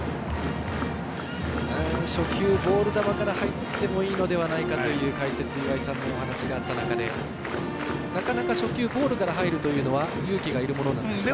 初球、ボール球から入ってもいいんじゃないかという解説、岩井さんのお話があった中でなかなか、初球ボールから入るというのは勇気がいるものなんですか。